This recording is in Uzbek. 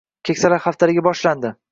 Keksalar haftaligi boshlandi